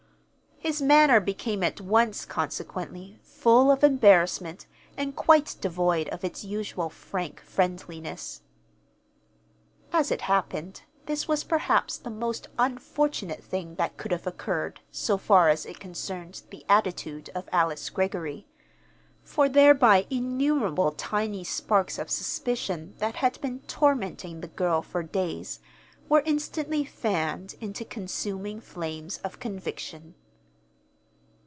His manner became at once, consequently, full of embarrassment and quite devoid of its usual frank friendliness. As it happened, this was perhaps the most unfortunate thing that could have occurred, so far as it concerned the attitude of Alice Greggory, for thereby innumerable tiny sparks of suspicion that had been tormenting the girl for days were instantly fanned into consuming flames of conviction.